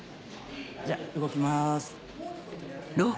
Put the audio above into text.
はいじゃあ動きます。